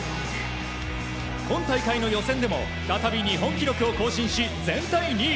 今大会の予選でも再び日本記録を更新し全体２位。